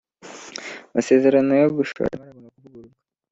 amasezerano yo gushora imari agomba kuvururwa